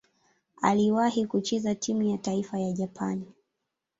Aliwahi kucheza timu ya taifa ya Japani.